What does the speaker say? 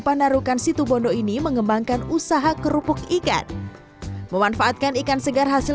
panarukan situbondo ini mengembangkan usaha kerupuk ikan memanfaatkan ikan segar hasil